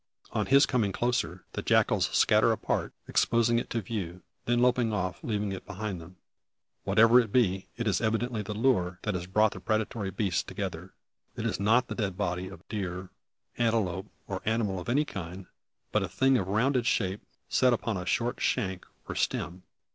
On his coming closer, the jackals scatter apart, exposing it to view; then, loping off, leave it behind them. Whatever it be, it is evidently the lure that has brought the predatory beasts together. It is not the dead body of deer, antelope, or animal of any kind; but a thing of rounded shape, set upon a short shank, or stem.